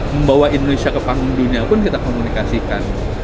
membawa indonesia ke panggung dunia pun kita komunikasikan